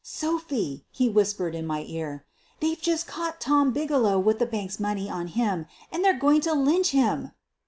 " Sophie,' ' he whispered in my ear, "they're just caught Tom Bigelow with the bank's money on him and they're going to lynch him."